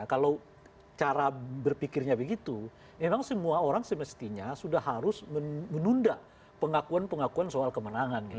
kalau cara berpikirnya begitu memang semua orang semestinya sudah harus menunda pengakuan pengakuan soal kemenangan